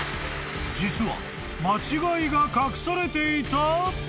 ［実は間違いが隠されていた！？］